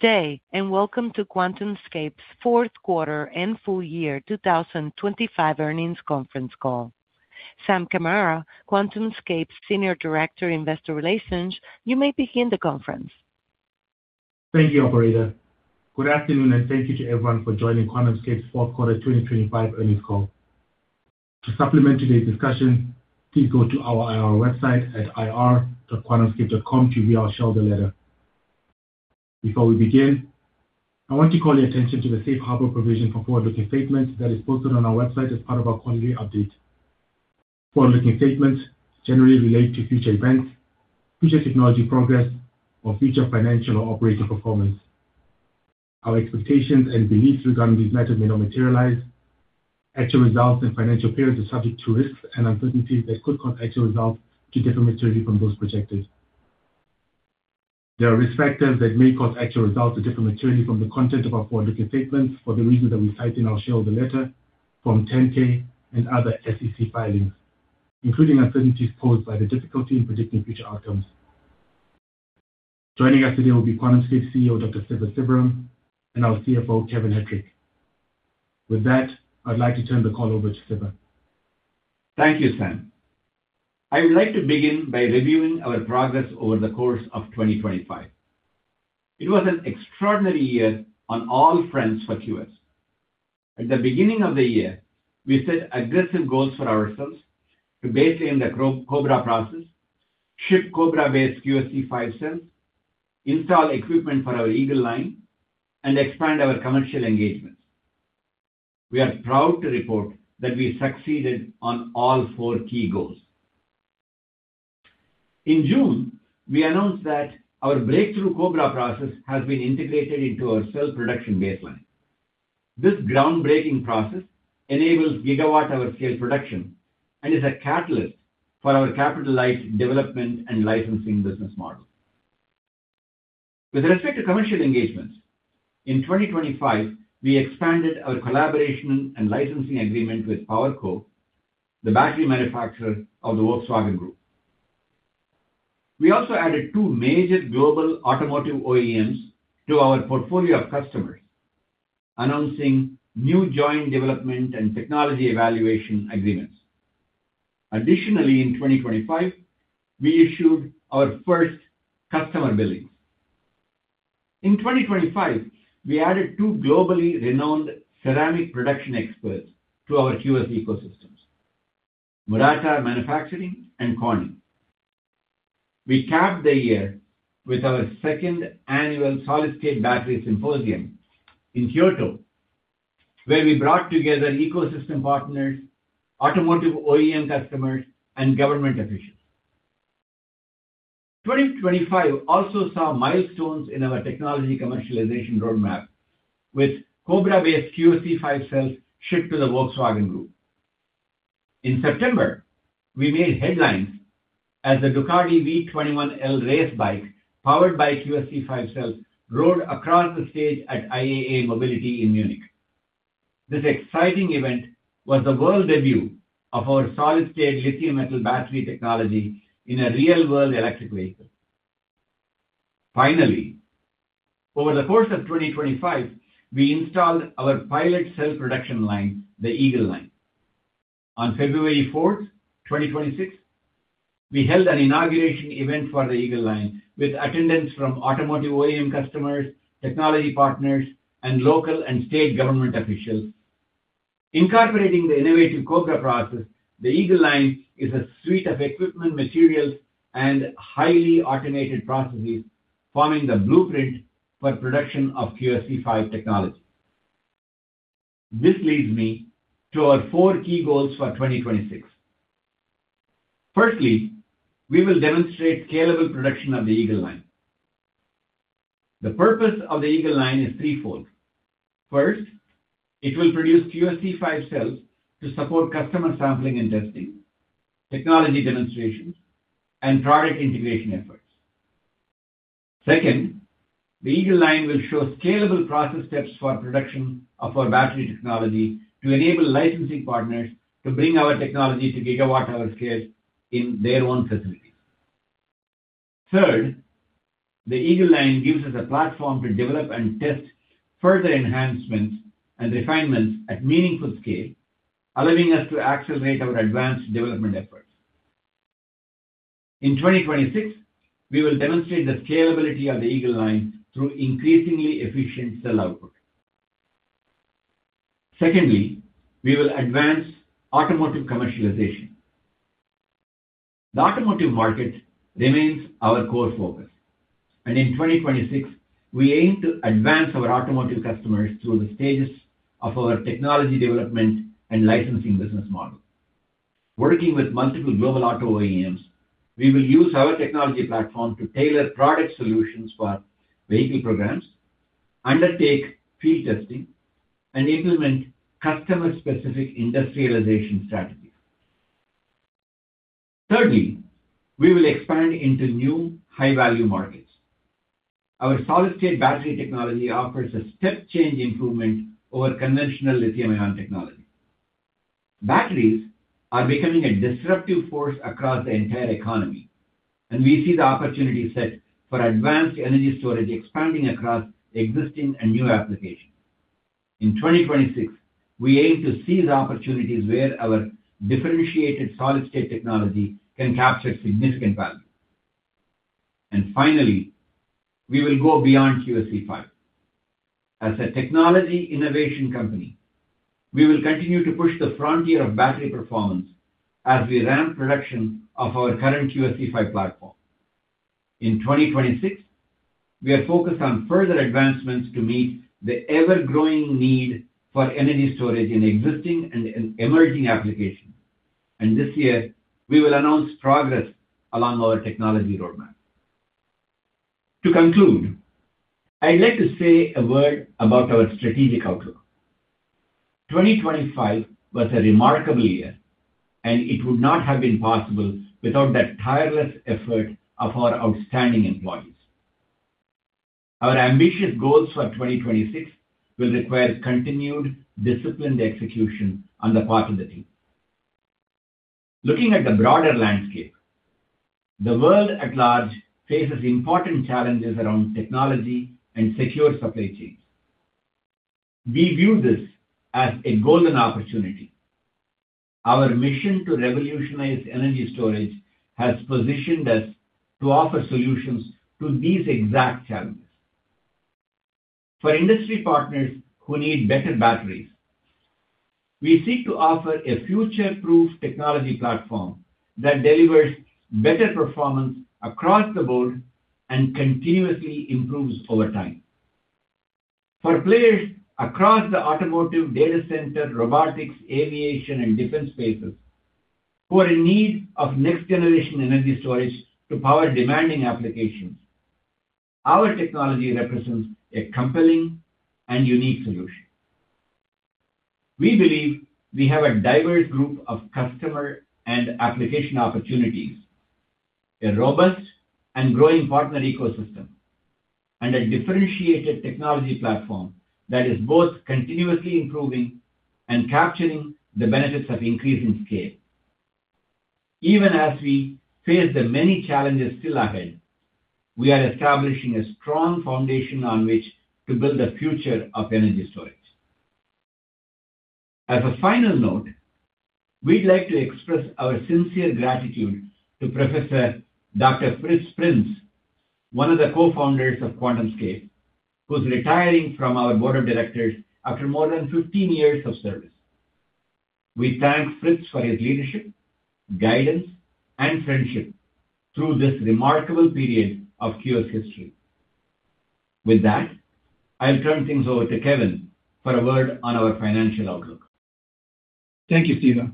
Good day, and welcome to QuantumScape's fourth quarter and full-year 2025 earnings conference call. Sam Kamara, QuantumScape's Senior Director, Investor Relations, you may begin the conference. Thank you, operator. Good afternoon, and thank you to everyone for joining QuantumScape's fourth quarter 2025 earnings call. To supplement today's discussion, please go to our IR website at ir.quantumscape.com to view our shareholder letter. Before we begin, I want to call your attention to the safe harbor provision for forward-looking statements that is posted on our website as part of our quarterly update. Forward-looking statements generally relate to future events, future technology progress, or future financial or operating performance. Our expectations and beliefs regarding these matters may not materialize. Actual results and financial periods are subject to risks and uncertainties that could cause actual results to differ materially from those projected. There are risk factors that may cause actual results to differ materially from the content of our forward-looking statements for the reasons that we cite in our shareholder letter, Form 10-K, and other SEC filings, including uncertainties posed by the difficulty in predicting future outcomes. Joining us today will be QuantumScape CEO, Dr. Siva Sivaram, and our CFO, Kevin Hettrich. With that, I'd like to turn the call over to Siva. Thank you, Sam. I would like to begin by reviewing our progress over the course of 2025. It was an extraordinary year on all fronts for QS. At the beginning of the year, we set aggressive goals for ourselves to baseline the Cobra process, ship Cobra-based QSE-5 cells, install equipment for our Eagle Line, and expand our commercial engagements. We are proud to report that we succeeded on all four key goals. In June, we announced that our breakthrough Cobra process has been integrated into our cell production baseline. This groundbreaking process enables gigawatt-hour scale production and is a catalyst for our capital-light development and licensing business model. With respect to commercial engagements, in 2025, we expanded our collaboration and licensing agreement with PowerCo, the battery manufacturer of the Volkswagen Group. We also added two major global automotive OEMs to our portfolio of customers, announcing new joint development and technology evaluation agreements. Additionally, in 2025, we issued our first customer billings. In 2025, we added two globally renowned ceramic production experts to our QS ecosystems, Murata Manufacturing and Corning. We capped the year with our second annual Solid-State Battery Symposium in Kyoto, where we brought together ecosystem partners, automotive OEM customers, and government officials. 2025 also saw milestones in our technology commercialization roadmap, with Cobra-based QSE-5 cells shipped to the Volkswagen Group. In September, we made headlines as the Ducati V21L race bike, powered by QSE-5 cells, rode across the stage at IAA Mobility in Munich. This exciting event was the world debut of our solid-state lithium metal battery technology in a real-world electric vehicle. Finally, over the course of 2025, we installed our pilot cell production line, the Eagle Line. On February 4, 2026, we held an inauguration event for the Eagle Line with attendance from automotive OEM customers, technology partners, and local and state government officials. Incorporating the innovative Cobra process, the Eagle Line is a suite of equipment, materials, and highly automated processes, forming the blueprint for production of QSE-5 technology. This leads me to our four key goals for 2026. Firstly, we will demonstrate scalable production of the Eagle Line. The purpose of the Eagle Line is threefold. First, it will produce QSE-5 cells to support customer sampling and testing, technology demonstrations, and product integration efforts. Second, the Eagle Line will show scalable process steps for production of our battery technology to enable licensing partners to bring our technology to gigawatt-hour scale in their own facilities. Third, the Eagle Line gives us a platform to develop and test further enhancements and refinements at meaningful scale, allowing us to accelerate our advanced development efforts. In 2026, we will demonstrate the scalability of the Eagle Line through increasingly efficient cell output. Secondly, we will advance automotive commercialization. The automotive market remains our core focus, and in 2026, we aim to advance our automotive customers through the stages of our technology development and licensing business model. Working with multiple global auto OEMs, we will use our technology platform to tailor product solutions for vehicle programs, undertake field testing, and implement customer-specific industrialization strategies. Thirdly, we will expand into new high-value markets. Our solid-state battery technology offers a step change improvement over conventional lithium-ion technology... Batteries are becoming a disruptive force across the entire economy, and we see the opportunity set for advanced energy storage expanding across existing and new applications. In 2026, we aim to seize opportunities where our differentiated solid-state technology can capture significant value. And finally, we will go beyond QSE-5. As a technology innovation company, we will continue to push the frontier of battery performance as we ramp production of our current QSE-5 platform. In 2026, we are focused on further advancements to meet the ever-growing need for energy storage in existing and emerging applications. And this year, we will announce progress along our technology roadmap. To conclude, I'd like to say a word about our strategic outlook. 2025 was a remarkable year, and it would not have been possible without the tireless effort of our outstanding employees. Our ambitious goals for 2026 will require continued disciplined execution on the part of the team. Looking at the broader landscape, the world at large faces important challenges around technology and secure supply chains. We view this as a golden opportunity. Our mission to revolutionize energy storage has positioned us to offer solutions to these exact challenges. For industry partners who need better batteries, we seek to offer a future-proof technology platform that delivers better performance across the board and continuously improves over time. For players across the automotive, data center, robotics, aviation, and defense spaces, who are in need of next-generation energy storage to power demanding applications, our technology represents a compelling and unique solution. We believe we have a diverse group of customer and application opportunities, a robust and growing partner ecosystem, and a differentiated technology platform that is both continuously improving and capturing the benefits of increasing scale. Even as we face the many challenges still ahead, we are establishing a strong foundation on which to build the future of energy storage. As a final note, we'd like to express our sincere gratitude to Professor Dr. Fritz Prinz, one of the co-founders of QuantumScape, who's retiring from our board of directors after more than 15 years of service. We thank Fritz for his leadership, guidance, and friendship through this remarkable period of QS history. With that, I'll turn things over to Kevin for a word on our financial outlook. Thank you, Siva.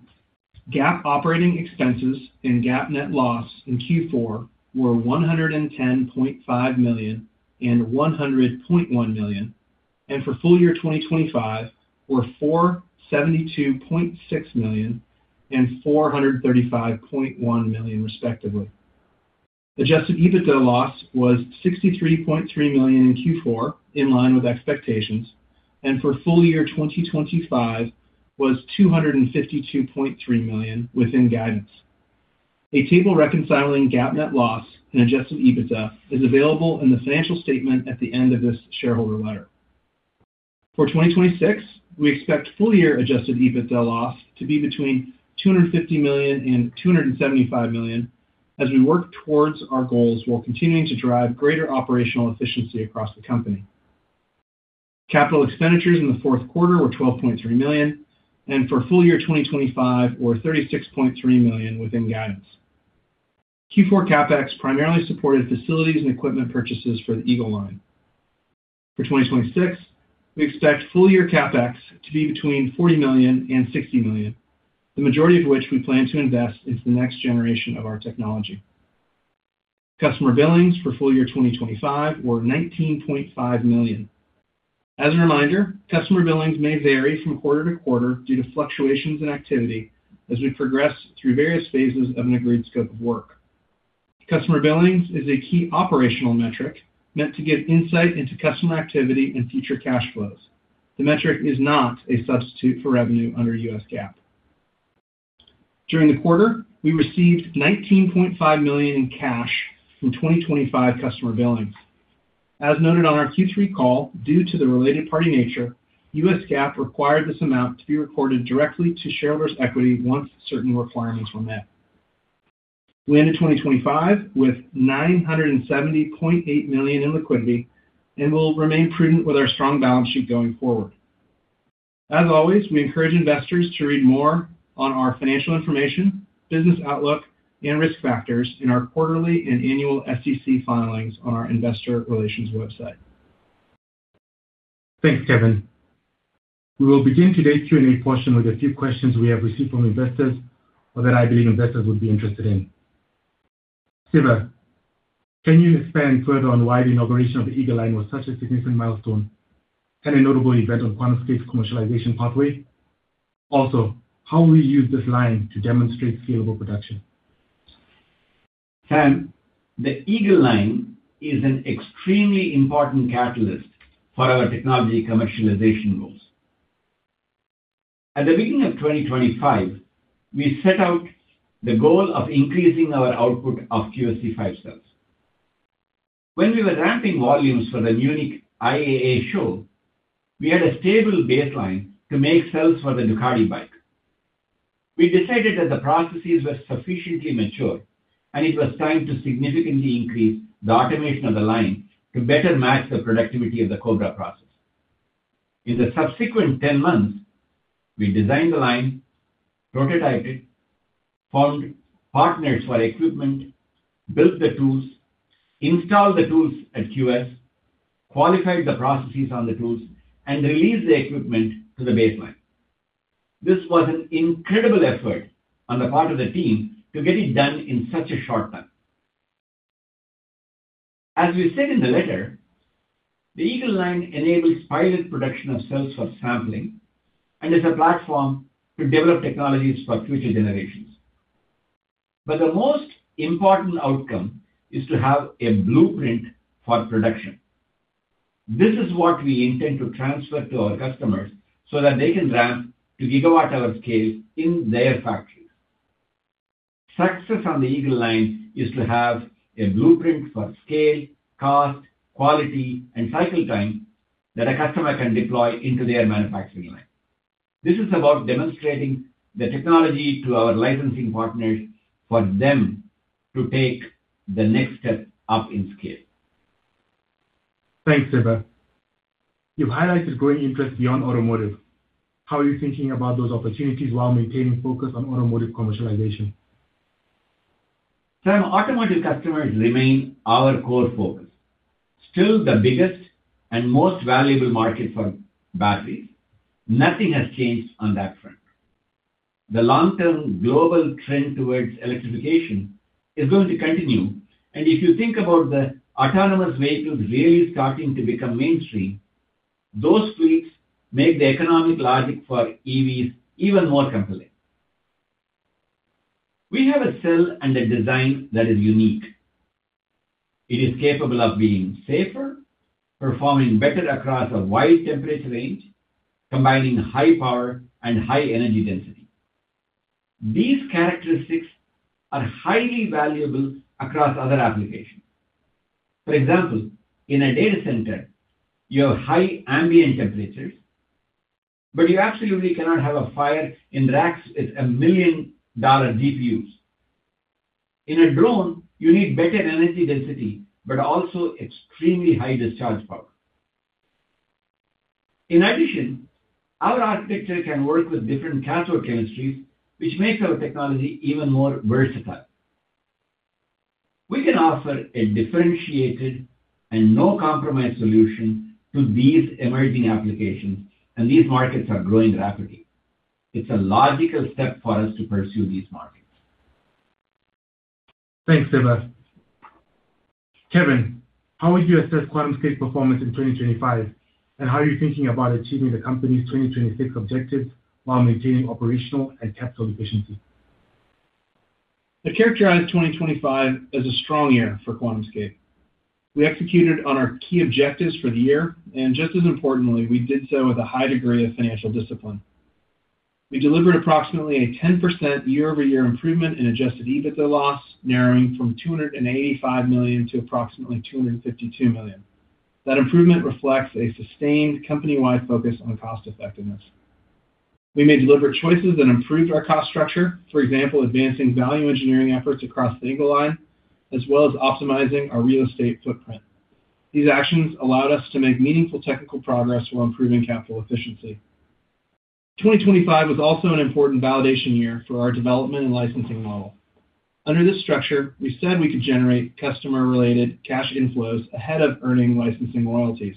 GAAP operating expenses and GAAP net loss in Q4 were $110.5 million and $100.1 million, and for full-year 2025 were $472.6 million and $435.1 million, respectively. Adjusted EBITDA loss was $63.3 million in Q4, in line with expectations, and for full-year 2025 was $252.3 million within guidance. A table reconciling GAAP net loss and Adjusted EBITDA is available in the financial statement at the end of this shareholder letter. For 2026, we expect full-year Adjusted EBITDA loss to be between $250 million and $275 million as we work towards our goals, while continuing to drive greater operational efficiency across the company. Capital expenditures in the fourth quarter were $12.3 million, and for full-year 2025 were $36.3 million within guidance. Q4 CapEx primarily supported facilities and equipment purchases for the Eagle Line. For 2026, we expect full-year CapEx to be between $40 million and $60 million. The majority of which we plan to invest into the next generation of our technology. Customer billings for full-year 2025 were $19.5 million. As a reminder, customer billings may vary from quarter to quarter due to fluctuations in activity as we progress through various phases of an agreed scope of work. Customer billings is a key operational metric meant to give insight into customer activity and future cash flows. The metric is not a substitute for revenue under U.S. GAAP. During the quarter, we received $19.5 million in cash from 2025 customer billings. As noted on our Q3 call, due to the related party nature, U.S. GAAP required this amount to be reported directly to shareholders' equity once certain requirements were met. We ended 2025 with $970.8 million in liquidity, and we'll remain prudent with our strong balance sheet going forward. As always, we encourage investors to read more on our financial information, business outlook, and risk factors in our quarterly and annual SEC filings on our investor relations website. Thanks, Kevin. We will begin today's Q&A portion with a few questions we have received from investors or that I believe investors would be interested in. Siva, can you expand further on why the inauguration of the Eagle Line was such a significant milestone and a notable event on QuantumScape's commercialization pathway? Also, how will you use this line to demonstrate scalable production? Sam, the Eagle Line is an extremely important catalyst for our technology commercialization goals. At the beginning of 2025, we set out the goal of increasing our output of QSE-5 cells. When we were ramping volumes for the Munich IAA show, we had a stable baseline to make cells for the Ducati bike. We decided that the processes were sufficiently mature, and it was time to significantly increase the automation of the line to better match the productivity of the Cobra process. In the subsequent 10 months, we designed the line, prototyped it, found partners for equipment, built the tools, installed the tools at QS, qualified the processes on the tools, and released the equipment to the baseline. This was an incredible effort on the part of the team to get it done in such a short time. As we said in the letter, the Eagle Line enables pilot production of cells for sampling and is a platform to develop technologies for future generations. The most important outcome is to have a blueprint for production. This is what we intend to transfer to our customers so that they can ramp to gigawatt-hour scale in their factories. Success on the Eagle Line is to have a blueprint for scale, cost, quality, and cycle time that a customer can deploy into their manufacturing line. This is about demonstrating the technology to our licensing partners for them to take the next step up in scale. Thanks, Siva. You've highlighted growing interest beyond automotive. How are you thinking about those opportunities while maintaining focus on automotive commercialization? Sam, automotive customers remain our core focus. Still the biggest and most valuable market for batteries. Nothing has changed on that front. The long-term global trend towards electrification is going to continue, and if you think about the autonomous vehicles really starting to become mainstream, those fleets make the economic logic for EVs even more compelling. We have a cell and a design that is unique. It is capable of being safer, performing better across a wide temperature range, combining high power and high energy density. These characteristics are highly valuable across other applications. For example, in a data center, you have high ambient temperatures, but you absolutely cannot have a fire in racks with a million-dollar GPUs. In a drone, you need better energy density, but also extremely high discharge power. In addition, our architecture can work with different cathode chemistries, which makes our technology even more versatile. We can offer a differentiated and no-compromise solution to these emerging applications, and these markets are growing rapidly. It's a logical step for us to pursue these markets. Thanks, Siva. Kevin, how would you assess QuantumScape's performance in 2025, and how are you thinking about achieving the company's 2026 objectives while maintaining operational and capital efficiency? I'd characterize 2025 as a strong year for QuantumScape. We executed on our key objectives for the year, and just as importantly, we did so with a high degree of financial discipline. We delivered approximately a 10% year-over-year improvement in Adjusted EBITDA loss, narrowing from $285 million to approximately $252 million. That improvement reflects a sustained company-wide focus on cost effectiveness. We made deliberate choices that improved our cost structure, for example, advancing value engineering efforts across the Eagle Line, as well as optimizing our real estate footprint. These actions allowed us to make meaningful technical progress while improving capital efficiency. 2025 was also an important validation year for our development and licensing model. Under this structure, we said we could generate customer-related cash inflows ahead of earning licensing royalties.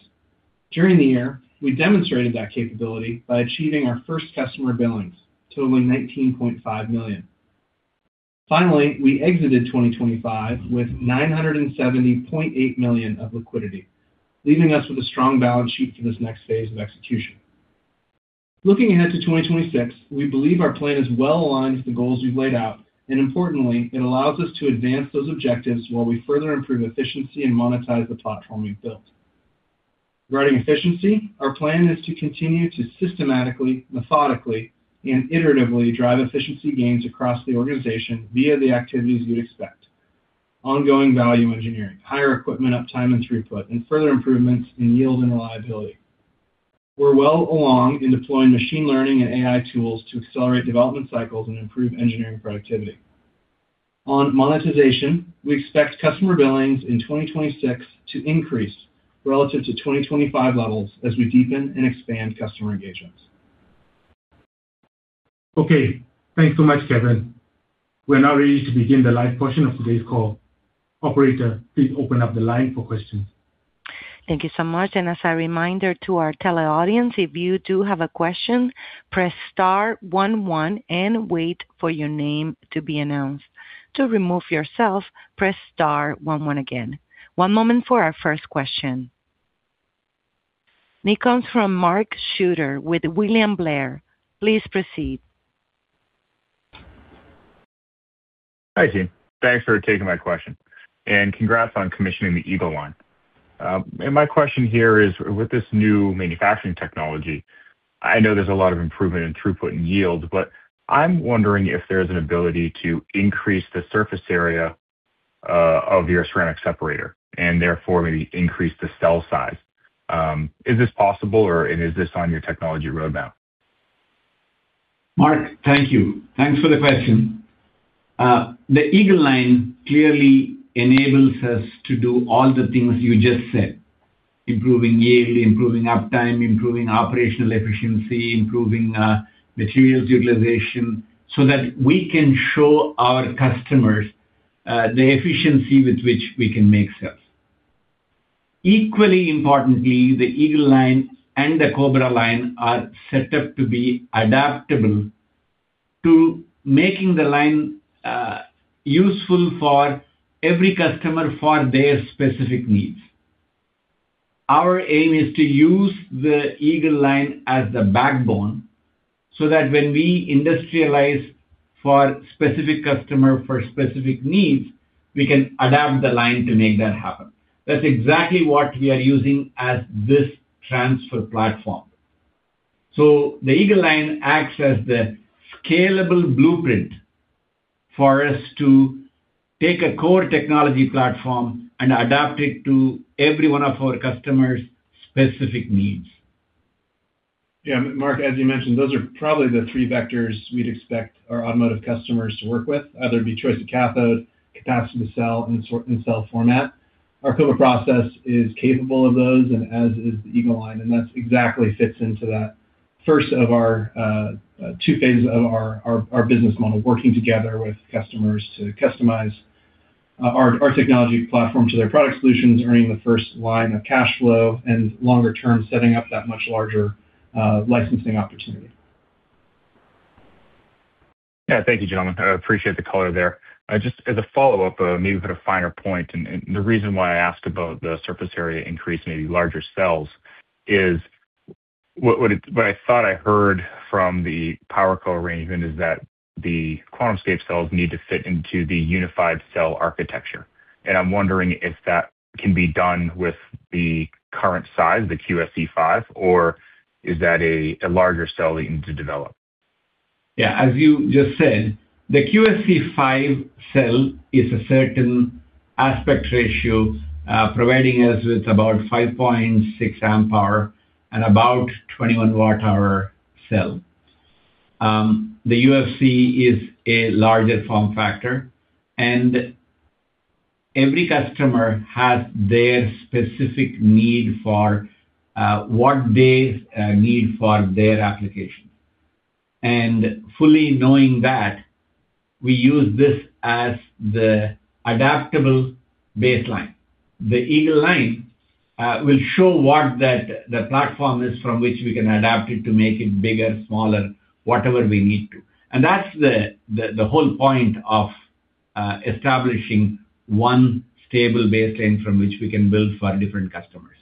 During the year, we demonstrated that capability by achieving our first customer billings, totaling $19.5 million. Finally, we exited 2025 with $970.8 million of liquidity, leaving us with a strong balance sheet for this next phase of execution. Looking ahead to 2026, we believe our plan is well aligned with the goals we've laid out, and importantly, it allows us to advance those objectives while we further improve efficiency and monetize the platform we've built. Regarding efficiency, our plan is to continue to systematically, methodically, and iteratively drive efficiency gains across the organization via the activities you'd expect: ongoing value engineering, higher equipment uptime and throughput, and further improvements in yield and reliability. We're well along in deploying machine learning and AI tools to accelerate development cycles and improve engineering productivity. On monetization, we expect customer billings in 2026 to increase relative to 2025 levels as we deepen and expand customer engagements. Okay, thanks so much, Kevin. We are now ready to begin the live portion of today's call. Operator, please open up the line for questions. Thank you so much, and as a reminder to our teleaudience, if you do have a question, press star one, one, and wait for your name to be announced. To remove yourself, press star one, one again. One moment for our first question. It comes from Mark Shooter with William Blair. Please proceed. Hi, team. Thanks for taking my question, and congrats on commissioning the Eagle Line. And my question here is, with this new manufacturing technology, I know there's a lot of improvement in throughput and yield, but I'm wondering if there's an ability to increase the surface area of your ceramic separator, and therefore maybe increase the cell size. Is this possible, and is this on your technology roadmap? Mark, thank you. Thanks for the question. The Eagle Line clearly enables us to do all the things you just said: improving yield, improving uptime, improving operational efficiency, improving materials utilization, so that we can show our customers the efficiency with which we can make cells. Equally importantly, the Eagle Line and the Cobra line are set up to be adaptable to making the line useful for every customer for their specific needs. Our aim is to use the Eagle Line as the backbone, so that when we industrialize for specific customer, for specific needs, we can adapt the line to make that happen. That's exactly what we are using as this transfer platform. So the Eagle Line acts as the scalable blueprint for us to take a core technology platform and adapt it to every one of our customers' specific needs. Yeah, Mark, as you mentioned, those are probably the three vectors we'd expect our automotive customers to work with, either be choice of cathode, capacity to cell, and so, and cell format. Our Cobra process is capable of those, and as is the Eagle Line, and that's exactly fits into that first of our, two phases of our, our, our business model, working together with customers to customize, our, our technology platform to their product solutions, earning the first line of cash flow and longer term, setting up that much larger, licensing opportunity. Yeah. Thank you, gentlemen. I appreciate the color there. Just as a follow-up, maybe at a finer point, and, and the reason why I asked about the surface area increase, maybe larger cells, is what, what it... What I thought I heard from the PowerCo arrangement is that the QuantumScape cells need to fit into the Unified Cell architecture, and I'm wondering if that can be done with the current size, the QSE-5, or is that a, a larger cell that you need to develop? Yeah, as you just said, the QSE-5 cell is a certain aspect ratio, providing us with about 5.6 Ah and about 21 Wh cell. The Unified Cell is a larger form factor, and every customer has their specific need for what they need for their application. And fully knowing that, we use this as the adaptable baseline. The Eagle Line will show what the platform is from which we can adapt it to make it bigger, smaller, whatever we need to. And that's the whole point of establishing one stable baseline from which we can build for different customers.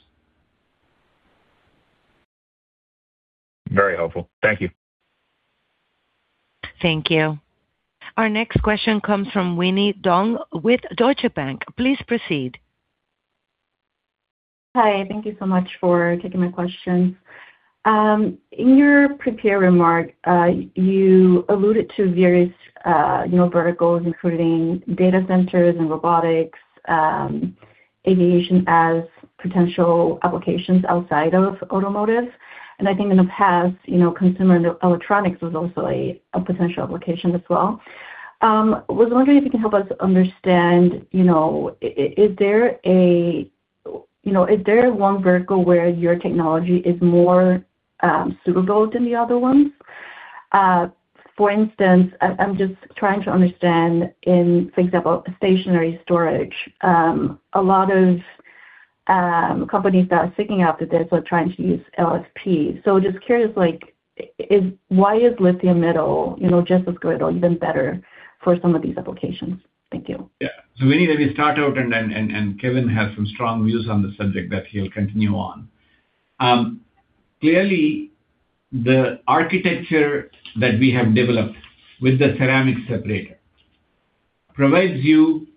Very helpful. Thank you. Thank you. Our next question comes from Winnie Dong with Deutsche Bank. Please proceed. Hi, thank you so much for taking my questions. In your prepared remark, you alluded to various, you know, verticals, including data centers and robotics, aviation, as potential applications outside of automotive. And I think in the past, you know, consumer electronics was also a potential application as well. Was wondering if you can help us understand, you know, is there one vertical where your technology is more suitable than the other ones? For instance, I'm just trying to understand in, for example, stationary storage, a lot of companies that are sticking to this are trying to use LFPs. So just curious, like, is why is lithium metal, you know, just as good or even better for some of these applications? Thank you. Yeah. So Winnie, let me start out and Kevin has some strong views on the subject that he'll continue on. Clearly, the architecture that we have developed with the ceramic separator provides you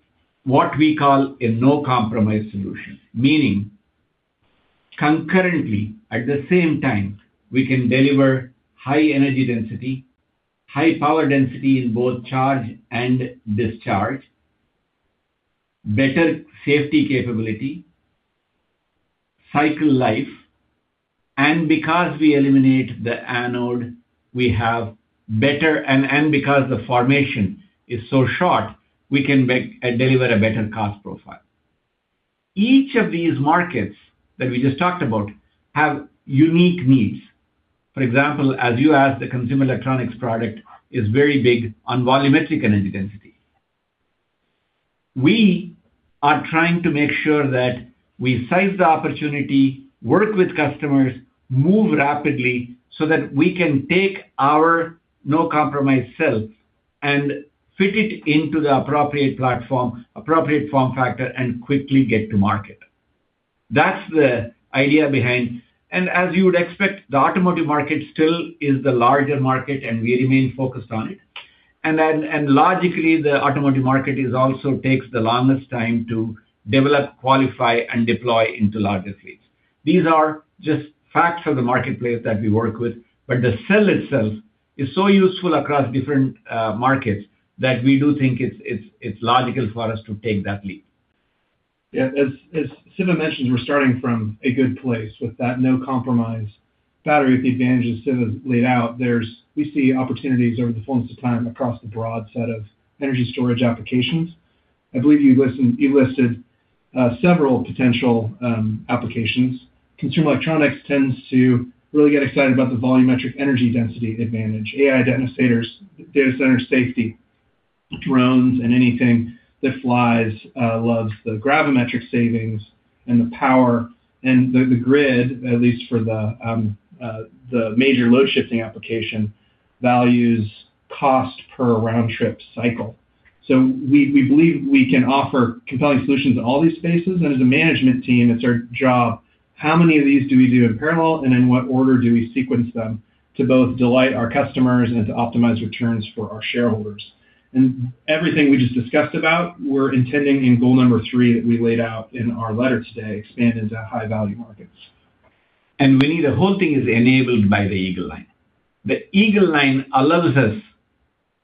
what we call a no-compromise solution. Meaning, concurrently, at the same time, we can deliver high energy density, high power density in both charge and discharge, better safety capability, cycle life, and because we eliminate the anode, we have better... And because the formation is so short, we can deliver a better cost profile. Each of these markets that we just talked about have unique needs. For example, as you asked, the consumer electronics product is very big on volumetric energy density. We are trying to make sure that we size the opportunity, work with customers, move rapidly, so that we can take our no-compromise cell-... and fit it into the appropriate platform, appropriate form factor, and quickly get to market. That's the idea behind. And as you would expect, the automotive market still is the larger market, and we remain focused on it. And logically, the automotive market is also takes the longest time to develop, qualify, and deploy into larger fleets. These are just facts of the marketplace that we work with, but the cell itself is so useful across different markets that we do think it's logical for us to take that leap. Yeah. As Siva mentioned, we're starting from a good place with that no-compromise battery, with the advantages Siva laid out, there's we see opportunities over the fullness of time across a broad set of energy storage applications. I believe you listed several potential applications. Consumer electronics tends to really get excited about the volumetric energy density advantage. AI data centers, data center safety, drones, and anything that flies loves the gravimetric savings and the power. And the grid, at least for the major load shifting application, values cost per round-trip cycle. So we believe we can offer compelling solutions in all these spaces, and as a management team, it's our job, how many of these do we do in parallel, and in what order do we sequence them to both delight our customers and to optimize returns for our shareholders? And everything we just discussed about, we're intending in goal number three that we laid out in our letter today, expand into high-value markets. Winnie, the whole thing is enabled by the Eagle Line. The Eagle Line allows us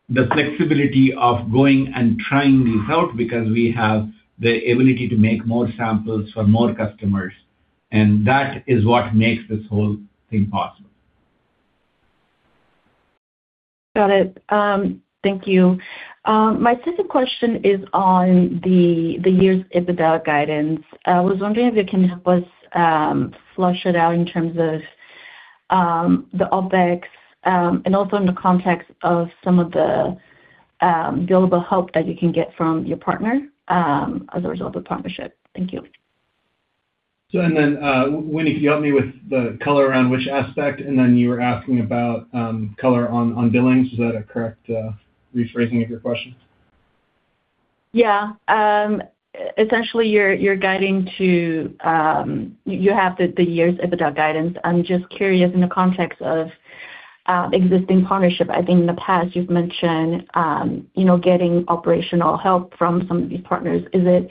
the flexibility of going and trying this out because we have the ability to make more samples for more customers, and that is what makes this whole thing possible. Got it. Thank you. My second question is on the year's EBITDA guidance. I was wondering if you can help us flesh it out in terms of the OpEx, and also in the context of some of the billable help that you can get from your partner, as a result of the partnership. Thank you. So, and then, Winnie, can you help me with the color around which aspect, and then you were asking about color on billings? Is that a correct rephrasing of your question? Yeah. Essentially, you're guiding to... You have the year's EBITDA guidance. I'm just curious in the context of existing partnership. I think in the past, you've mentioned, you know, getting operational help from some of these partners. Is it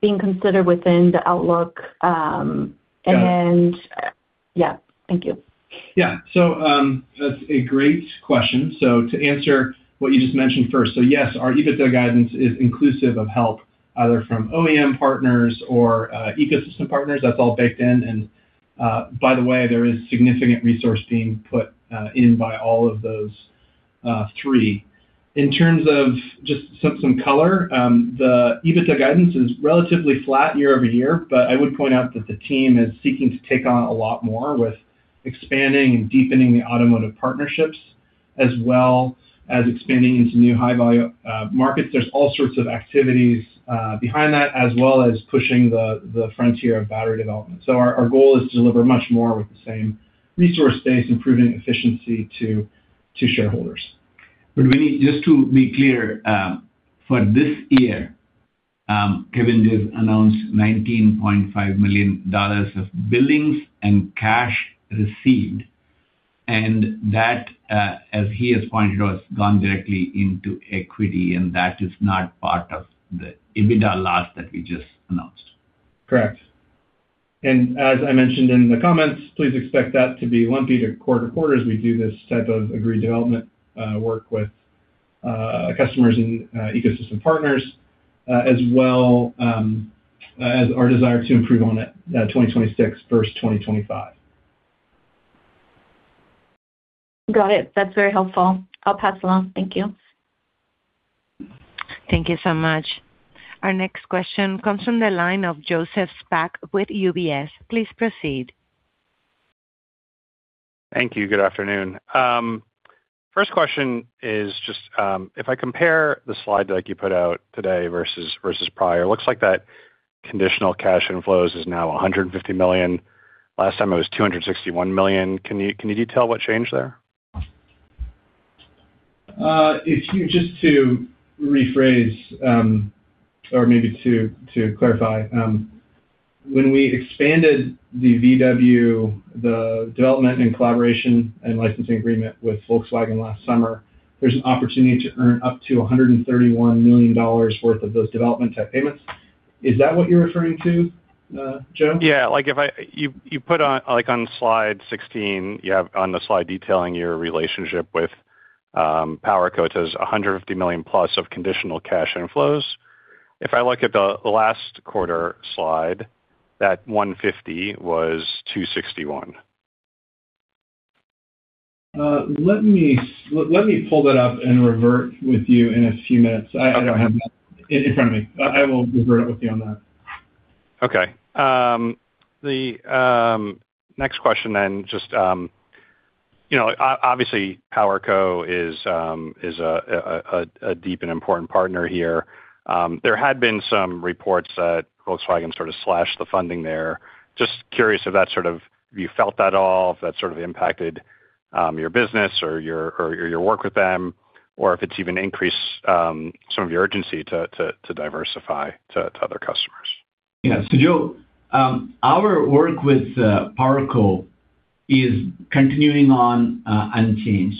being considered within the outlook, and- Got it. Yeah. Thank you. Yeah. So, that's a great question. So to answer what you just mentioned first, so yes, our EBITDA guidance is inclusive of help, either from OEM partners or, ecosystem partners. That's all baked in, and, by the way, there is significant resource being put, in by all of those, three. In terms of just some color, the EBITDA guidance is relatively flat year over year, but I would point out that the team is seeking to take on a lot more with expanding and deepening the automotive partnerships, as well as expanding into new high-value, markets. There's all sorts of activities, behind that, as well as pushing the frontier of battery development. So our goal is to deliver much more with the same resource base, improving efficiency to, shareholders. But Winnie, just to be clear, for this year, Kevin just announced $19.5 million of billings and cash received, and that, as he has pointed out, has gone directly into equity, and that is not part of the EBITDA loss that we just announced. Correct. As I mentioned in the comments, please expect that to be lumpy quarter-to-quarter as we do this type of agreed development work with customers and ecosystem partners as well as our desire to improve on it 2026 versus 2025. Got it. That's very helpful. I'll pass along. Thank you. Thank you so much. Our next question comes from the line of Joseph Spak with UBS. Please proceed. Thank you. Good afternoon. First question is just, if I compare the slide that you put out today versus, versus prior, it looks like that conditional cash inflows is now $150 million. Last time it was $261 million. Can you, can you detail what changed there? If you just to rephrase, or maybe to clarify, when we expanded the VW, the development and collaboration and licensing agreement with Volkswagen last summer, there's an opportunity to earn up to $131 million worth of those development type payments. Is that what you're referring to, Joe? Yeah. Like, if I—you put on, like, on slide 16, you have on the slide detailing your relationship with PowerCo, it says $150 million plus of conditional cash inflows. If I look at the last quarter slide, that 150 was 261. Let me, let me pull that up and revert with you in a few minutes. Okay. I don't have that in front of me. I will revert it with you on that. Okay. The next question then, just, you know, obviously, PowerCo is a deep and important partner here. There had been some reports that Volkswagen sort of slashed the funding there. Just curious if that sort of, if you felt that at all, if that sort of impacted your business or your work with them, or if it's even increased some of your urgency to diversify to other customers?... Yeah. So, Joe, our work with PowerCo is continuing on unchanged.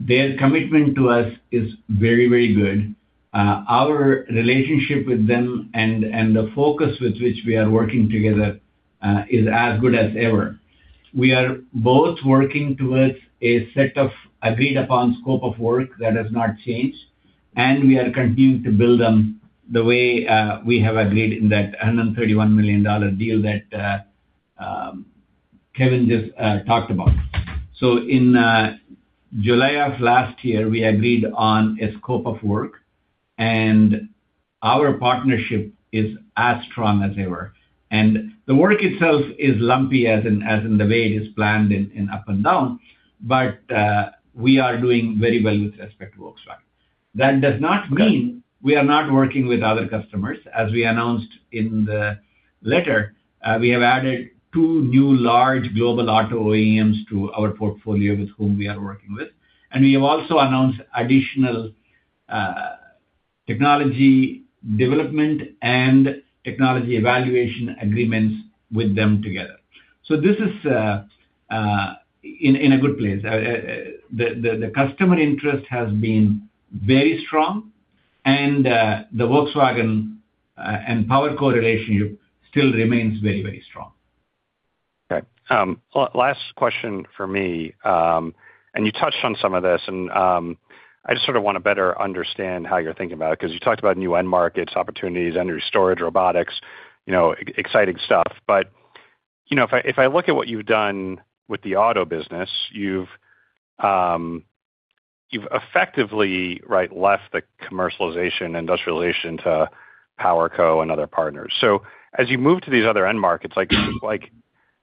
Their commitment to us is very, very good. Our relationship with them and, and the focus with which we are working together is as good as ever. We are both working towards a set of agreed-upon scope of work. That has not changed, and we are continuing to build them the way we have agreed in that $131 million deal that Kevin just talked about. So in July of last year, we agreed on a scope of work, and our partnership is as strong as ever. And the work itself is lumpy as in, as in the way it is planned in, in up and down, but we are doing very well with respect to Volkswagen. That does not mean we are not working with other customers. As we announced in the letter, we have added two new large global auto OEMs to our portfolio, with whom we are working with. We have also announced additional technology development and technology evaluation agreements with them together. This is in a good place. The customer interest has been very strong, and the Volkswagen and PowerCo relationship still remains very, very strong. Okay. Last question for me, and you touched on some of this, and I just sort of want to better understand how you're thinking about it, 'cause you talked about new end markets, opportunities, energy storage, robotics, you know, exciting stuff. But, you know, if I look at what you've done with the auto business, you've effectively, right, left the commercialization and industrialization to PowerCo and other partners. So as you move to these other end markets, like,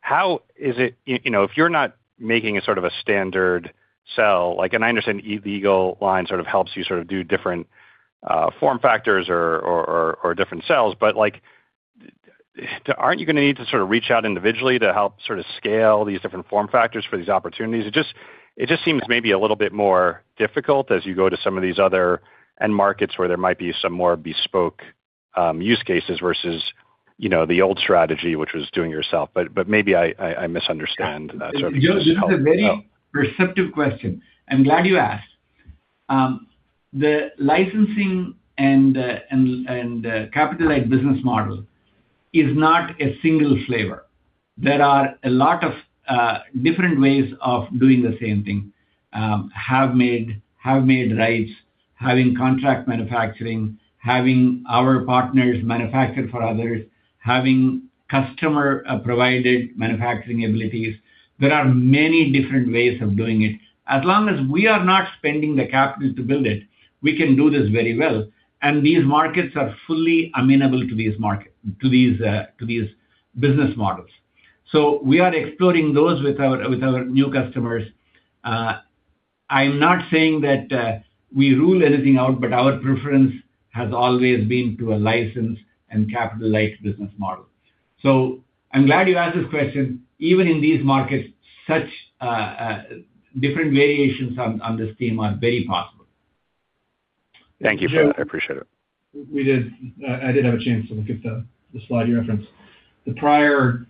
how is it... You know, if you're not making a sort of a standard cell, like, and I understand the Eagle Line sort of helps you sort of do different form factors or different cells. But, like, aren't you gonna need to sort of reach out individually to help sort of scale these different form factors for these opportunities? It just, it just seems maybe a little bit more difficult as you go to some of these other end markets, where there might be some more bespoke use cases versus, you know, the old strategy, which was doing it yourself. But, but maybe I, I, I misunderstand. So if you could just help. Joe, this is a very perceptive question. I'm glad you asked. The licensing and capital-light business model is not a single flavor. There are a lot of different ways of doing the same thing. Have-made, have-made rights, having contract manufacturing, having our partners manufacture for others, having customer provided manufacturing abilities. There are many different ways of doing it. As long as we are not spending the capital to build it, we can do this very well, and these markets are fully amenable to these business models. So we are exploring those with our new customers. I'm not saying that we rule anything out, but our preference has always been to a licensed and capital-light business model. So I'm glad you asked this question. Even in these markets, such different variations on this theme are very possible. Thank you for that. I appreciate it. We did... I did have a chance to look at the slide you referenced. The prior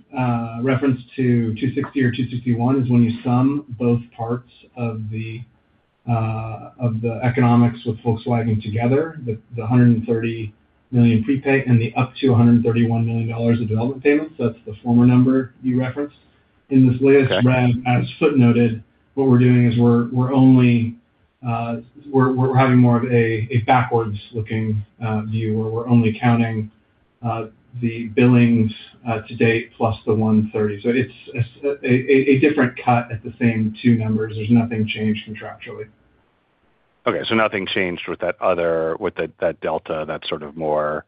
reference to 260 or 261 is when you sum both parts of the economics with Volkswagen together, the $130 million prepay and the up to $131 million of development payments. That's the former number you referenced. In this latest- Okay. As footnoted, what we're doing is we're only having more of a backwards-looking view, where we're only counting the billings to date, plus the $130 million. So it's a different cut at the same two numbers. There's nothing changed contractually. Okay, so nothing changed with that other, that delta, that sort of more-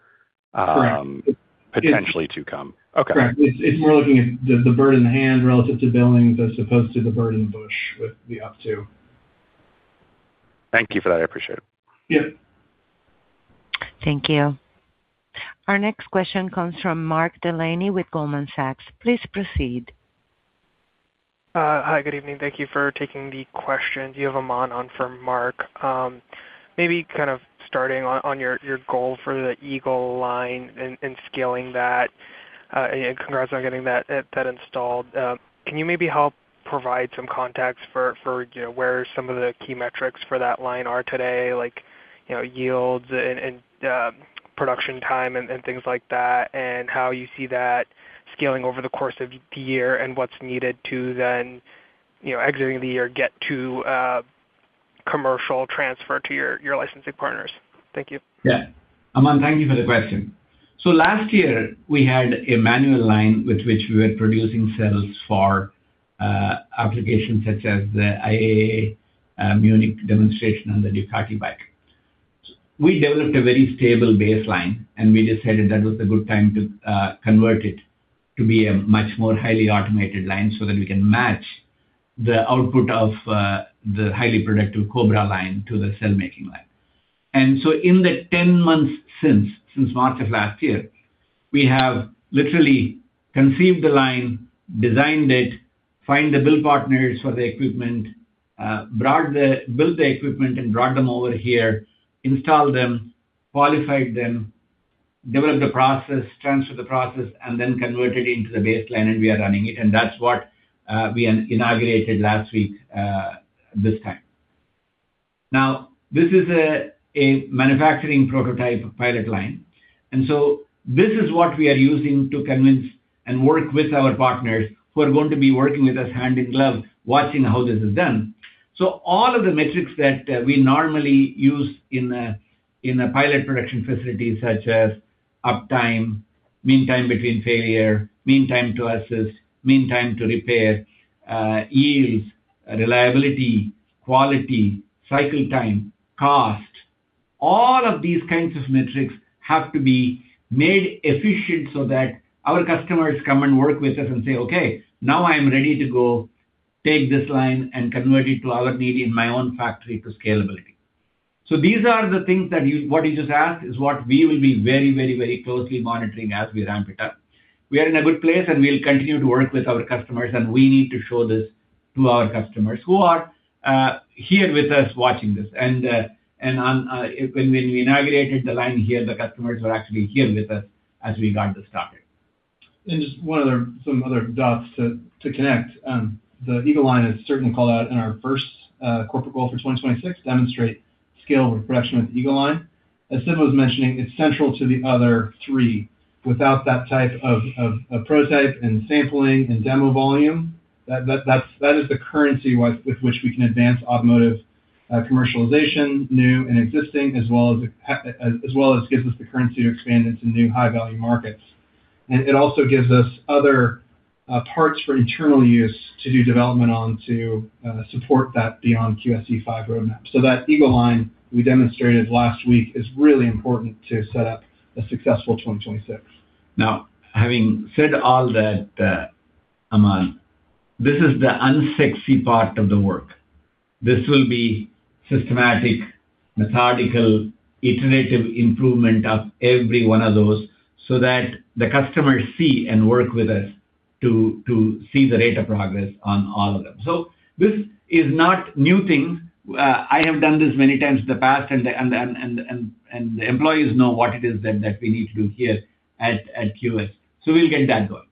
Correct. Potentially to come. Okay. Correct. It's more looking at the bird in the hand relative to billings, as opposed to the bird in the bush, with the up to. Thank you for that. I appreciate it. Yeah. Thank you. Our next question comes from Mark Delaney with Goldman Sachs. Please proceed. Hi, good evening. Thank you for taking the questions. You have Aman on for Mark. Maybe kind of starting on, on your, your goal for the Eagle Line and, and scaling that, and congrats on getting that, that installed. Can you maybe help provide some context for, for, you know, where some of the key metrics for that line are today? Like, you know, yields and, and, production time and, and things like that, and how you see that scaling over the course of the year, and what's needed to then, you know, exiting the year, get to, commercial transfer to your, your licensing partners? Thank you. Yeah. Aman, thank you for the question. So last year, we had a manual line with which we were producing cells for applications such as the IAA, Munich demonstration on the Ducati bike. We developed a very stable baseline, and we decided that was a good time to convert it to be a much more highly automated line, so that we can match the output of the highly productive Cobra line to the cell making line. And so in the 10 months since March of last year, we have literally conceived the line, designed it, found the build partners for the equipment, built the equipment and brought them over here, installed them, qualified them, developed the process, transferred the process, and then converted into the baseline, and we are running it. And that's what we inaugurated last week, this time. Now, this is a manufacturing prototype pilot line, and so this is what we are using to convince and work with our partners who are going to be working with us hand in glove, watching how this is done. So all of the metrics that we normally use in a pilot production facility, such as uptime, mean time between failure, mean time to assist, mean time to repair, yields, reliability, quality, cycle time, cost, all of these kinds of metrics have to be made efficient so that our customers come and work with us and say, "Okay, now I am ready to go take this line and convert it to our need in my own factory for scalability." So these are the things that you, what you just asked, is what we will be very, very, very closely monitoring as we ramp it up. We are in a good place, and we'll continue to work with our customers, and we need to show this to our customers who are here with us, watching this. And when we inaugurated the line here, the customers were actually here with us as we got this started. Just one other, some other dots to, to connect. The Eagle Line is certainly called out in our first corporate goal for 2026, demonstrate scale and production with Eagle Line. As Siva was mentioning, it's central to the other three. Without that type of prototype and sampling and demo volume, that is the currency with which we can advance automotive commercialization, new and existing, as well as gives us the currency to expand into new high-value markets. And it also gives us other parts for internal use to do development on, to support that beyond QSE-5 roadmap. So that Eagle Line we demonstrated last week is really important to set up a successful 2026. Now, having said all that, Aman, this is the unsexy part of the work. This will be systematic, methodical, iterative improvement of every one of those, so that the customers see and work with us to see the rate of progress on all of them. So this is not new thing. I have done this many times in the past, and the employees know what it is that we need to do here at QS. So we'll get that going.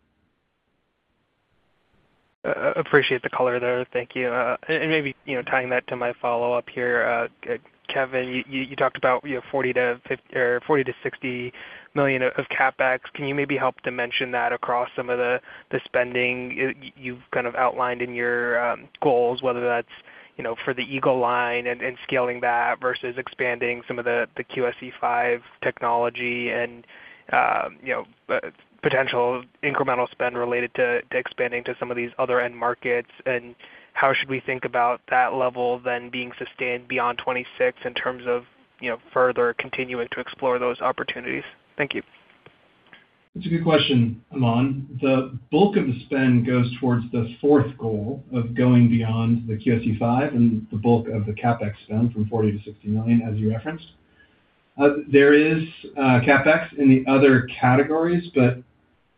Appreciate the color there. Thank you. And maybe, you know, tying that to my follow-up here, Kevin, you talked about, you know, $40 million-$50 million... or $40 million-$60 million of CapEx. Can you maybe help dimension that across some of the spending you've kind of outlined in your goals, whether that's, you know, for the Eagle Line and scaling that, versus expanding some of the QSE-5 technology and, you know, potential incremental spend related to expanding to some of these other end markets? And how should we think about that level then being sustained beyond 2026 in terms of, you know, further continuing to explore those opportunities? Thank you. It's a good question, Aman. The bulk of the spend goes towards the fourth goal of going beyond the QSE-5, and the bulk of the CapEx spend from $40 million-$60 million, as you referenced. There is CapEx in the other categories, but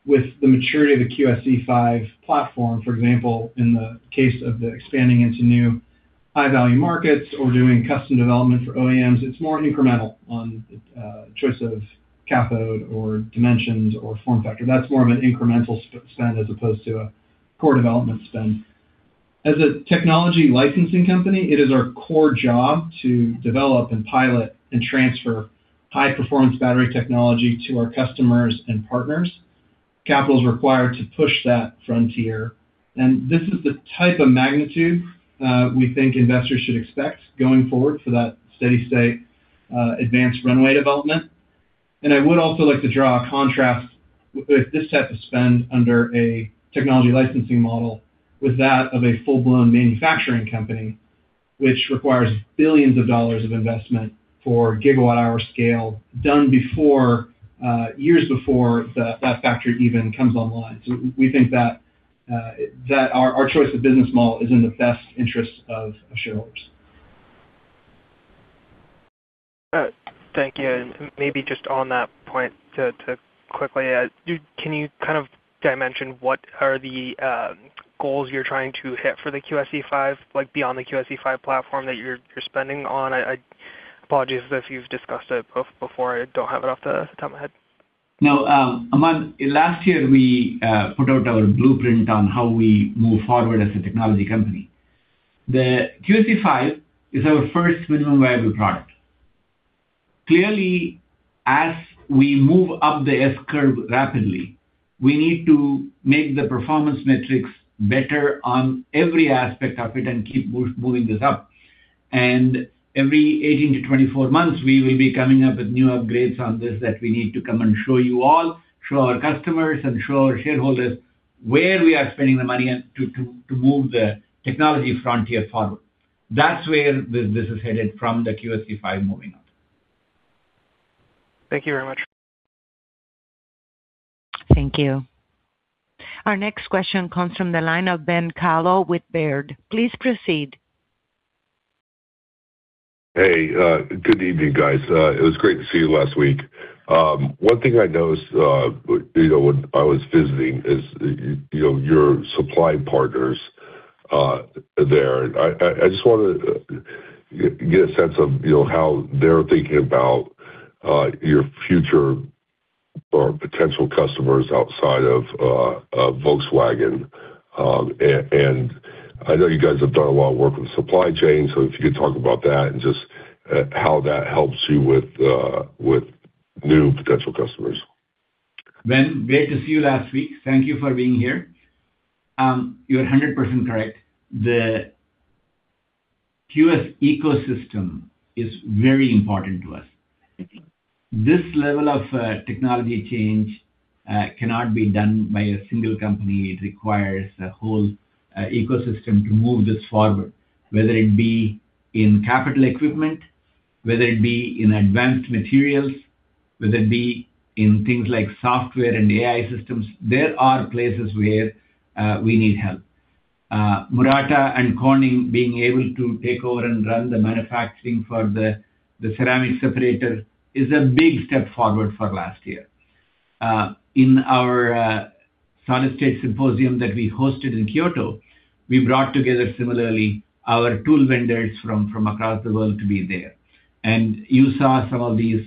with the maturity of the QSE-5 platform, for example, in the case of the expanding into new high-value markets or doing custom development for OEMs, it's more incremental on choice of cathode or dimensions or form factor. That's more of an incremental spend as opposed to a core development spend. As a technology licensing company, it is our core job to develop and pilot and transfer high-performance battery technology to our customers and partners. Capital is required to push that frontier, and this is the type of magnitude, we think investors should expect going forward for that steady state, advanced runway development. And I would also like to draw a contrast with this type of spend under a technology licensing model with that of a full-blown manufacturing company, which requires billions of dollars of investment for gigawatt-hour scale, done before, years before that factory even comes online. So we think that our choice of business model is in the best interest of shareholders. Thank you. And maybe just on that point, to quickly add, can you kind of dimension what are the goals you're trying to hit for the QSE-5, like, beyond the QSE-5 platform that you're spending on? I apologies if you've discussed it before. I don't have it off the top of my head. No, Aman, last year we put out our blueprint on how we move forward as a technology company. The QSE-5 is our first minimum viable product. Clearly, as we move up the S-curve rapidly, we need to make the performance metrics better on every aspect of it and keep moving this up. And every 18-24 months, we will be coming up with new upgrades on this that we need to come and show you all, show our customers, and show our shareholders, where we are spending the money and to move the technology frontier forward. That's where this is headed from the QSE-5 moving on. Thank you very much. Thank you. Our next question comes from the line of Ben Kallo with Baird. Please proceed.... Hey, good evening, guys. It was great to see you last week. One thing I noticed, you know, when I was visiting is, you know, your supply partners there. I just want to get a sense of, you know, how they're thinking about your future or potential customers outside of Volkswagen. And I know you guys have done a lot of work with supply chain, so if you could talk about that and just how that helps you with new potential customers. Ben, great to see you last week. Thank you for being here. You're 100% correct. The QS ecosystem is very important to us. This level of technology change cannot be done by a single company. It requires a whole ecosystem to move this forward, whether it be in capital equipment, whether it be in advanced materials, whether it be in things like software and AI systems, there are places where we need help. Murata and Corning being able to take over and run the manufacturing for the ceramic separator is a big step forward for last year. In our solid-state symposium that we hosted in Kyoto, we brought together similarly our tool vendors from across the world to be there. And you saw some of these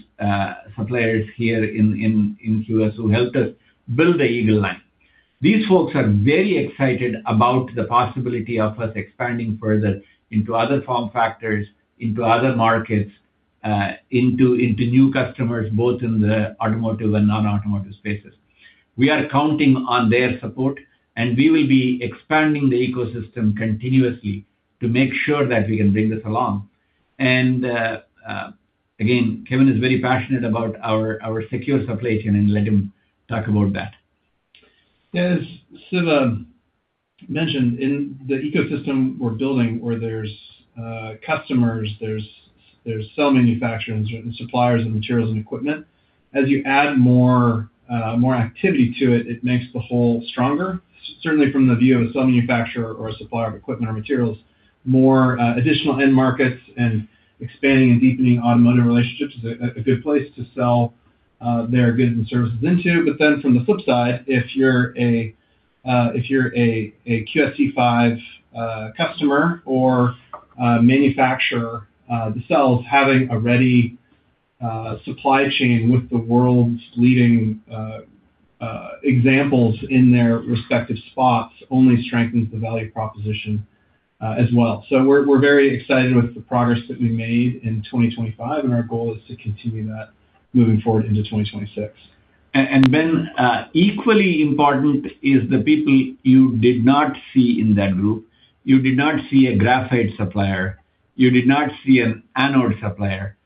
suppliers here in QS who helped us build the Eagle Line. These folks are very excited about the possibility of us expanding further into other form factors, into other markets, into new customers, both in the automotive and non-automotive spaces. We are counting on their support, and we will be expanding the ecosystem continuously to make sure that we can bring this along. And, again, Kevin is very passionate about our secure supply chain, and let him talk about that. Yes, Siva mentioned in the ecosystem we're building, where there's customers, there's cell manufacturers and suppliers of materials and equipment. As you add more activity to it, it makes the whole stronger. Certainly from the view of a cell manufacturer or a supplier of equipment or materials, more additional end markets and expanding and deepening automotive relationships is a good place to sell their goods and services into. But then from the flip side, if you're a QSE-5 customer or a manufacturer, the cells having a ready supply chain with the world's leading examples in their respective spots only strengthens the value proposition as well. So we're very excited with the progress that we made in 2025, and our goal is to continue that moving forward into 2026. And Ben, equally important is the people you did not see in that group. You did not see a graphite supplier, you did not see an anode supplier.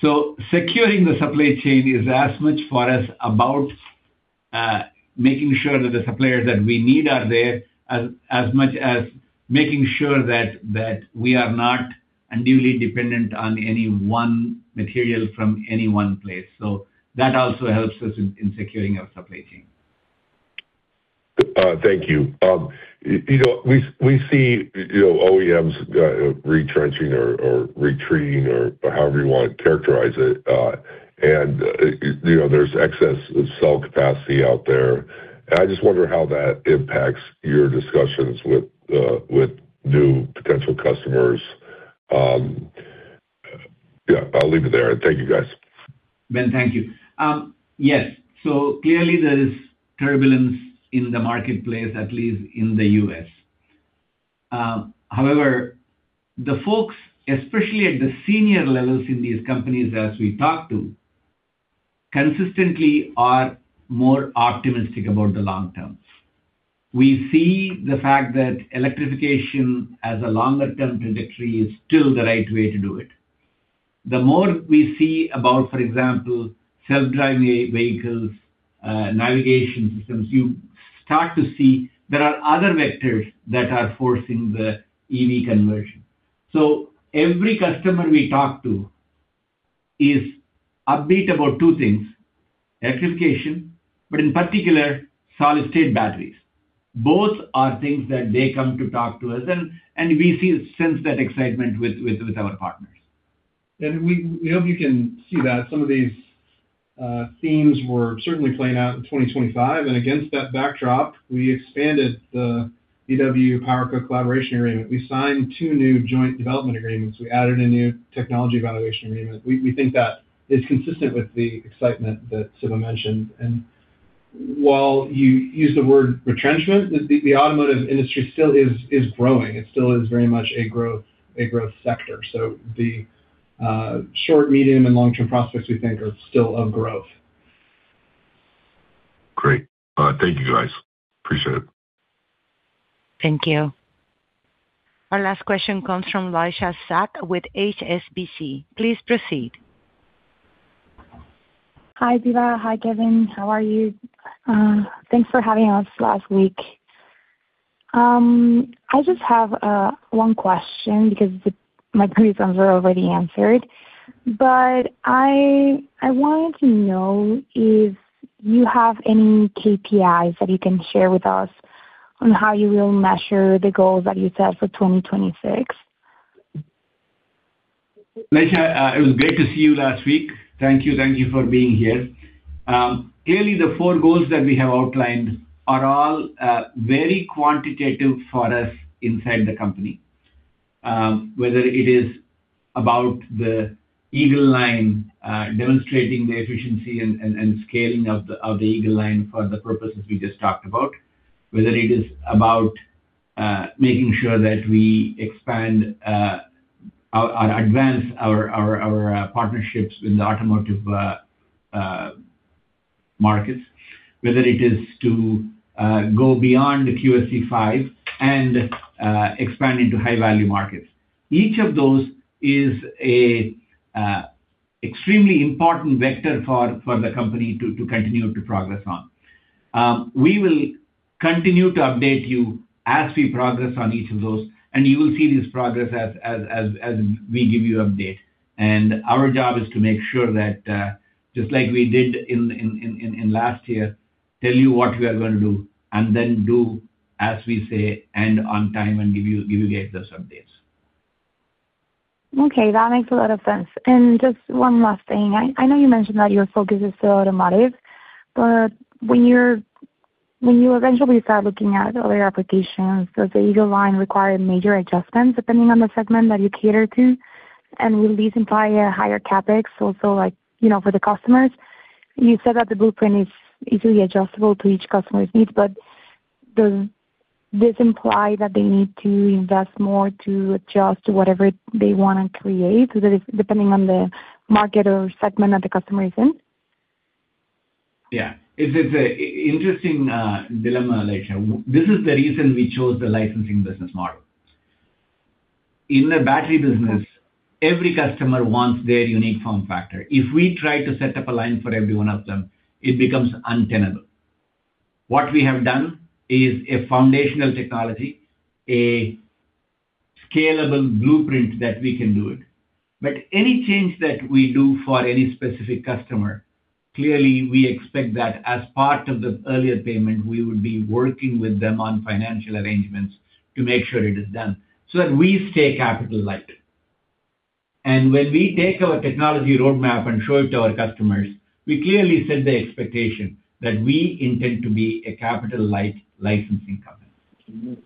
So securing the supply chain is as much for us about making sure that the suppliers that we need are there, as much as making sure that we are not unduly dependent on any one material from any one place. So that also helps us in securing our supply chain. Thank you. You know, we see, you know, OEMs retrenching or retreating or however you want to characterize it. And, you know, there's excess cell capacity out there. And I just wonder how that impacts your discussions with new potential customers. Yeah, I'll leave it there, and thank you, guys. Ben, thank you. Yes. So clearly there is turbulence in the marketplace, at least in the U.S.. However, the folks, especially at the senior levels in these companies, as we talk to, consistently are more optimistic about the long term. We see the fact that electrification as a longer term trajectory is still the right way to do it. The more we see about, for example, self-driving vehicles, navigation systems, you start to see there are other vectors that are forcing the EV conversion. So every customer we talk to is upbeat about two things: electrification, but in particular, solid state batteries. Both are things that they come to talk to us, and, and we see and sense that excitement with, with, with our partners. And we hope you can see that some of these themes were certainly playing out in 2025. And against that backdrop, we expanded the VW PowerCo collaboration agreement. We signed two new joint development agreements. We added a new technology evaluation agreement. We think that is consistent with the excitement that Siva mentioned. And while you use the word retrenchment, the automotive industry still is growing. It still is very much a growth sector. So the short, medium, and long-term prospects we think are still of growth. Great. Thank you, guys. Appreciate it. Thank you. Our last question comes from Laysha Sack with HSBC. Please proceed. Hi, Siva. Hi, Kevin. How are you? Thanks for having us last week. I just have one question because my previous ones were already answered. But I wanted to know if you have any KPIs that you can share with us on how you will measure the goals that you set for 2026? Laysha, it was great to see you last week. Thank you, thank you for being here. Clearly, the four goals that we have outlined are all very quantitative for us inside the company. Whether it is about the Eagle Line, demonstrating the efficiency and scaling of the Eagle Line for the purposes we just talked about. Whether it is about making sure that we expand or advance our partnerships with the automotive markets. Whether it is to go beyond the QSE-5 and expand into high-value markets. Each of those is a extremely important vector for the company to continue to progress on. We will continue to update you as we progress on each of those, and you will see this progress as we give you update. Our job is to make sure that, just like we did in last year, tell you what we are going to do, and then do as we say, and on time, and give you guys those updates. Okay, that makes a lot of sense. And just one last thing. I, I know you mentioned that your focus is still automotive, but when you're, when you eventually start looking at other applications, does the Eagle Line require major adjustments depending on the segment that you cater to? And will these imply a higher CapEx also, like, you know, for the customers? You said that the blueprint is easily adjustable to each customer's needs, but does this imply that they need to invest more to adjust to whatever they wanna create, so that depending on the market or segment that the customer is in? Yeah. It is an interesting dilemma, Laysha. This is the reason we chose the licensing business model. In the battery business, every customer wants their unique form factor. If we try to set up a line for every one of them, it becomes untenable. What we have done is a foundational technology, a scalable blueprint that we can do it. But any change that we do for any specific customer, clearly, we expect that as part of the earlier payment, we would be working with them on financial arrangements to make sure it is done, so that we stay capital-light. And when we take our technology roadmap and show it to our customers, we clearly set the expectation that we intend to be a capital-light licensing company.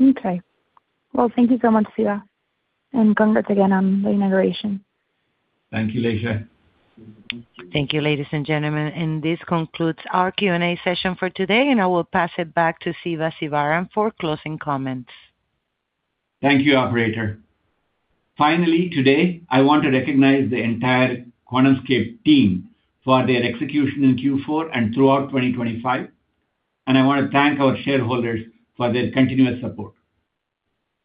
Okay. Well, thank you so much, Siva, and congrats again on the inauguration. Thank you, Laysha. Thank you, ladies and gentlemen, and this concludes our Q&A session for today, and I will pass it back to Siva Sivaram for closing comments. Thank you, operator. Finally, today, I want to recognize the entire QuantumScape team for their execution in Q4 and throughout 2025, and I wanna thank our shareholders for their continuous support.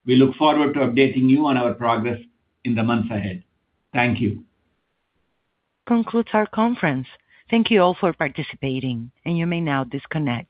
We look forward to updating you on our progress in the months ahead. Thank you. Concludes our conference. Thank you all for participating, and you may now disconnect.